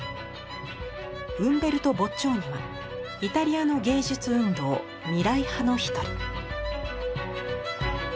ウンベルト・ボッチョーニはイタリアの芸術運動未来派の一人。